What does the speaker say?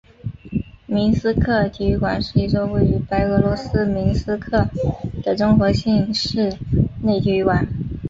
明斯克体育馆是一座位于白俄罗斯明斯克的综合性室内体育馆。